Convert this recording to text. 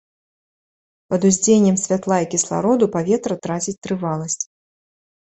Пад уздзеяннем святла і кіслароду паветра траціць трываласць.